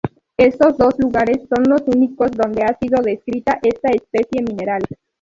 Estos dos lugares son los únicos donde ha sido descrita esta especie mineral.